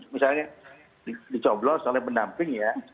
misalnya dicoblos oleh pendamping ya